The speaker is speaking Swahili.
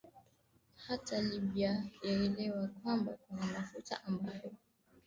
hata libya waelewe kwamba ina mafuta ambayo